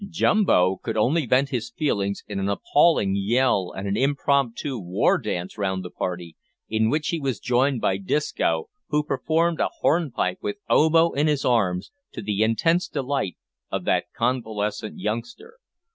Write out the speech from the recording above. Jumbo could only vent his feelings in an appalling yell and an impromptu war dance round the party, in which he was joined by Disco, who performed a hornpipe with Obo in his arms, to the intense delight of that convalescent youngster.